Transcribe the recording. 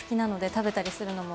食べたりするのも。